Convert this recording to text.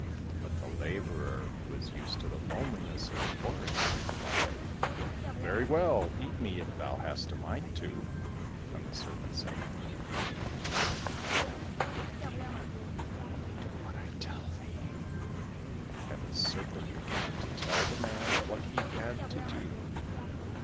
" But the labourer, who was used to the loneliness of the forest, replied, " Very well, eat me if thou hast a mind to !"— Then the Serpent said, '* Nay ! I will not eat thee ; only do what I tell thee !" And the Serpent began to tell the man what he had to do.